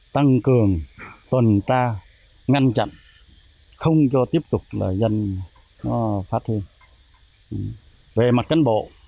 tăng cường tuần tra ngăn chặn không cho tiếp tục là dân phát hiện